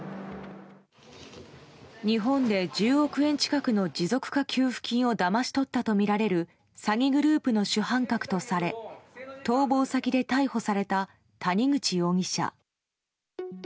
日本で１０億円近くの持続化給付金をだまし取ったとみられる詐欺グループの主犯格とされ逃亡先で逮捕された谷口容疑者。